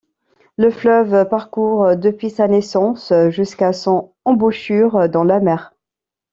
Le fleuve parcourt depuis sa naissance jusqu'à son embouchure dans la mer.